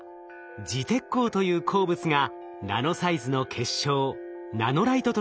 磁鉄鉱という鉱物がナノサイズの結晶ナノライトとなって散らばっています。